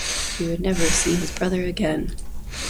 He would never see his brother again.